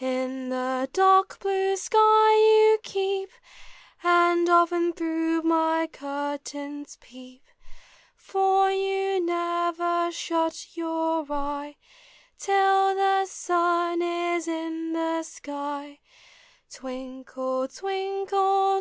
In the dark blue skv vou keep, And often through iny curtains peep; For you never shut your eye Till the sun is in the sky.